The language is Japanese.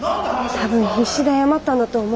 多分必死で謝ったんだと思う。